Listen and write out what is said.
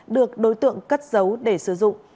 được đối tượng cất giấu để sử dụng